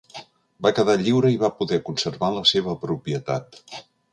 Va quedar lliure i va poder conservar la seva propietat.